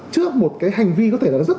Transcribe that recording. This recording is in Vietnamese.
trước một cái hành vi có thể là rất